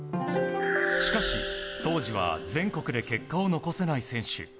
しかし当日は全国で結果を残せない選手。